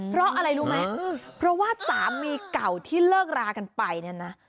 เพราะอะไรรู้ไหมเพราะว่าสามีเก่าที่เลิกรากันไปเนี่ยนะ